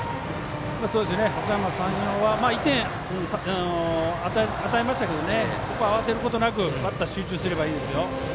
おかやま山陽は１点、与えましたけどここは慌てることなく、バッター集中すればいいです。